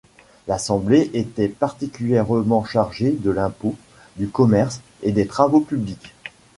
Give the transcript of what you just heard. L'assemblée était particulièrement chargée de l'impôt, du commerce et des travaux publics.